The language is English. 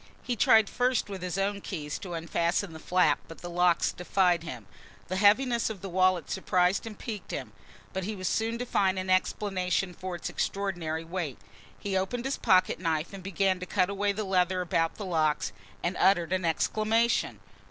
He tried first with his own keys to unfasten the flap but the locks defied him. The heaviness of the wallet surprised and piqued him, but he was soon to find an explanation for its extraordinary weight. He opened his pocket knife and began to cut away the leather about the locks, and uttered an exclamation.